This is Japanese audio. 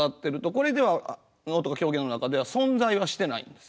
これでは能とか狂言の中では存在はしてないんですよ。